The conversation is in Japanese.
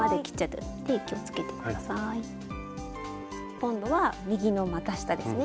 今度は右のまた下ですね。